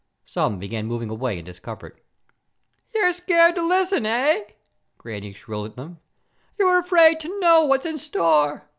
Some began moving away in discomfort. "You're scared to listen, eh?" Granny shrilled at them. "You're afraid to know what's in store!